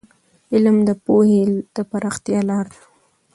علم د پوهې د پراختیا لار ده.